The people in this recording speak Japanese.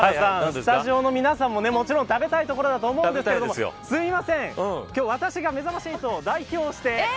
スタジオの皆さんももちろん食べたいところだと思うんですけど今日は私がめざまし８を代表して。